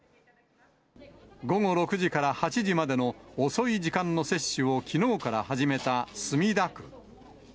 午後６時から８時までの遅い時間の接種をきのうから始めた墨田区。